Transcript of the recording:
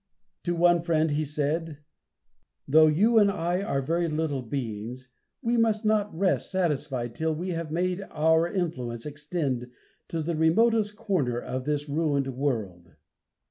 To one friend he said: "Though you and I are very little beings, we must not rest satisfied till we have made our influence extend to the remotest corner of this ruined world."